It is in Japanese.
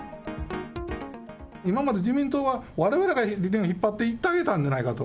今まで自民党が、われわれが理念を引っ張っていってあげたんじゃないかと。